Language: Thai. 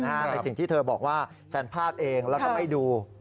ในสิ่งที่เธอบอกว่าแซนพลาดเองแล้วก็ไม่ดู